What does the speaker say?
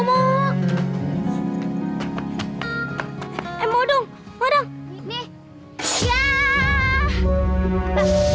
berikutnya di funky